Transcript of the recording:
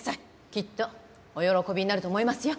きっとお喜びになると思いますよ。